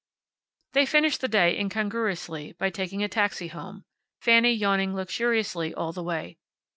They finished the day incongruously by taking a taxi home, Fanny yawning luxuriously all the way.